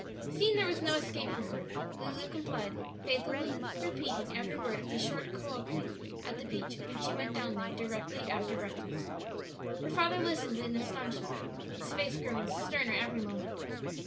Seeing there was no escape for her, Lulu complied, faithfully repeating every word of the short colloquy at the beach when she went down there directly after breakfast. Her father listened in astonishment, his face growing sterner every moment.